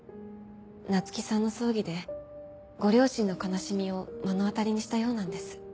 菜月さんの葬儀でご両親の悲しみを目の当たりにしたようなんです。